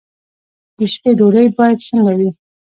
د شپې ډوډۍ باید څنګه وي؟